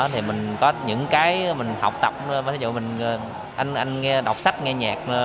thì mình có những cái mình học tập ví dụ mình anh đọc sách nghe nhạc